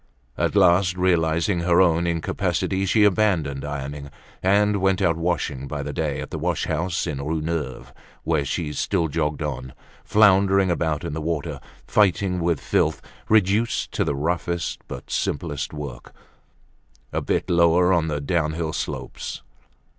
At last realizing her own incapacity she abandoned ironing; and went out washing by the day at the wash house in the Rue Neuve, where she still jogged on, floundering about in the water, fighting with filth, reduced to the roughest but simplest work, a bit lower on the down hill slopes.